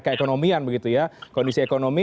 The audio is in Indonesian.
keekonomian begitu ya kondisi ekonomi